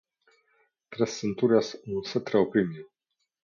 Tres centurias un cetro oprimió,